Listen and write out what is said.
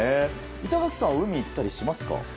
板垣さんは海に行ったりしますか？